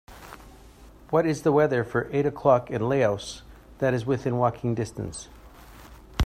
What is the weather for eight o'clock in Laos that is within walking distance